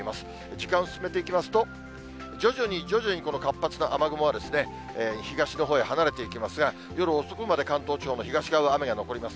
時間進めていきますと、徐々に徐々にこの活発な雨雲は、東のほうへ離れていきますが、夜遅くまで関東地方の東側、雨が残ります。